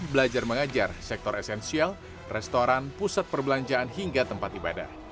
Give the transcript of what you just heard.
belajar mengajar sektor esensial restoran pusat perbelanjaan hingga tempat ibadah